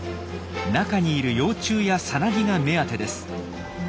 中にいる幼虫やさなぎが目当てです。